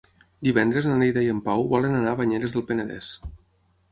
Divendres na Neida i en Pau volen anar a Banyeres del Penedès.